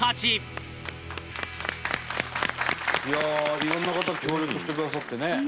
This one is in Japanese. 伊達：いろんな方協力してくださってね。